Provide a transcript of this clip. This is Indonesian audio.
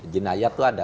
jenayah itu ada